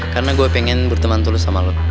karena gue pengen berteman terus sama lo